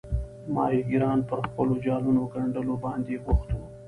ماهیګیران پر خپلو جالونو ګنډلو باندې بوخت وو.